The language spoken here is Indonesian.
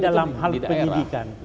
di dalam hal penyidikan